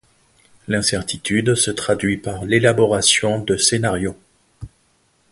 L'incertitude se traduit par l'élaboration de scénarios.